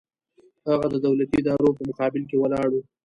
هغه د دولتي ادارو په مقابل کې ولاړ و.